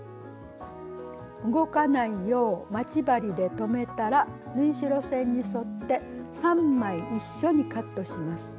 動かないよう待ち針で留めたら縫い代線に沿って３枚一緒にカットします。